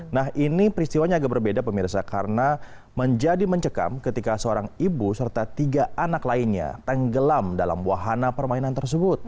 nah ini peristiwanya agak berbeda pemirsa karena menjadi mencekam ketika seorang ibu serta tiga anak lainnya tenggelam dalam wahana permainan tersebut